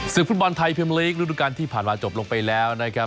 ศึกฝุ่นบอลไทยเพิมลิกรุ่นทุกการณ์ที่ผ่านมาจบลงไปแล้วนะครับ